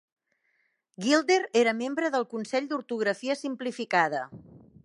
Gilder era membre del consell d'ortografia simplificada.